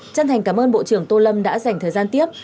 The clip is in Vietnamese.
chân thành cảm ơn bộ trưởng tô lâm đã dành thời gian tiếp